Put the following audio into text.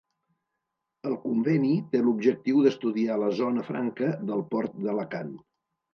El conveni té l'objectiu d'estudiar la zona franca del Port d'Alacant.